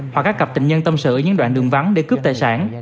hoặc các cặp tình nhân tâm sự những đoạn đường vắng để cướp tài sản